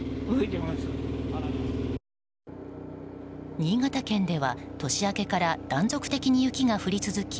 新潟県では年明けから断続的に雪が降り続き